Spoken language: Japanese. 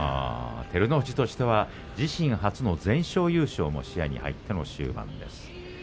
照ノ富士は自身初の全勝優勝も視野に入っての終盤です。